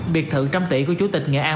biệt thự trăm tỷ của chủ tịch nghệ an